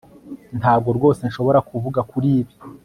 Ntabwo rwose nshobora kuvuga kuri ibi